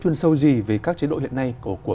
chuyên sâu gì về các chế độ hiện nay của